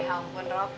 ya ampun rob